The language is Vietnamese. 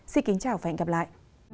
xin kính chào và hẹn gặp lại